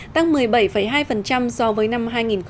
tăng một mươi bảy hai so với năm hai nghìn một mươi bảy